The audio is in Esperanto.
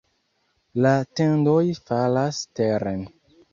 La tendoj falas teren.